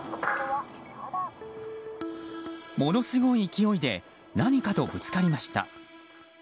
ものすごい勢いで何かとぶつかりました。